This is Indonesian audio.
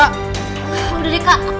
udah deh kak